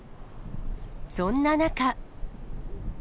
そんな中。